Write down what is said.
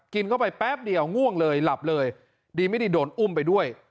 กินเข้าไปแป๊บเดียวง่วงเลยหลับเลยดีไม่ดีโดนอุ้มไปด้วย